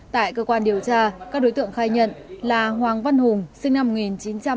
tại cơ quan điều tra các đối tượng khai nhận là hoàng văn hùng sinh năm một nghìn chín trăm tám mươi